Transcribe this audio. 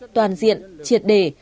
toàn diện triệt đề